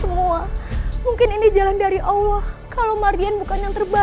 aku mulai belajar gradnostik sekarang deh ya